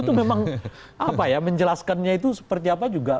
itu memang apa ya menjelaskannya itu seperti apa juga